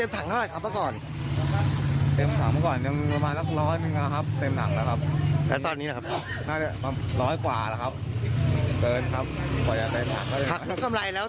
มากครับ